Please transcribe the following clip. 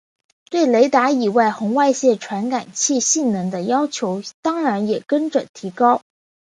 对雷达以及红外线传感器性能的要求当然也跟着提高。